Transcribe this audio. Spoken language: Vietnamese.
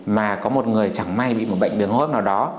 mà có một người chẳng may bị một bệnh đường hô hấp nào đó